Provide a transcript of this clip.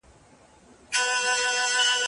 په خوب وینم چي زامن مي وژل کیږي